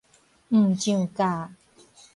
毋上教